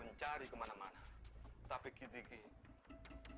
enggak sampai terus main penyakit